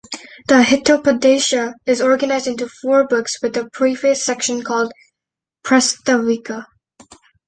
The "Hitopadesha" is organized into four books, with a preface section called "Prastavika".